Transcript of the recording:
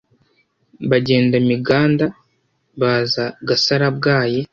Bagenda Miganda, baza Gasarabwayi;